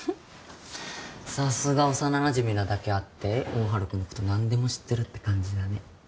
さすが幼なじみなだけあって大原君のこと何でも知ってるって感じだね